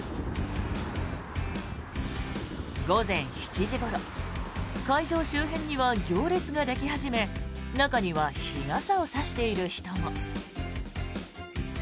午前７時ごろ会場周辺には行列ができ始め中には日傘を差している人も。